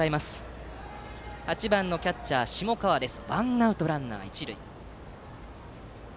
バッターは８番のキャッチャー、下川です。